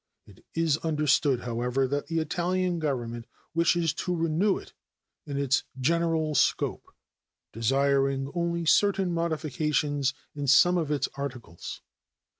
It is understood, however, that the Italian Government wishes to renew it in its general scope, desiring only certain modifications in some of its articles.